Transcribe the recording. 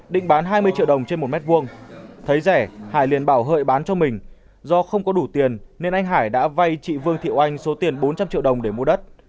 định bán hai mươi triệu đồng trên một mét vuông thấy rẻ hải liền bảo hợi bán cho mình do không có đủ tiền nên anh hải đã vay chị vương thiệu anh số tiền bốn trăm linh triệu đồng để mua đất